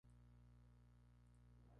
Ken Swift, Mr.